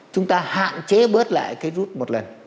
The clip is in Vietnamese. chúng ta hạn chế bớt lại cái rút một lần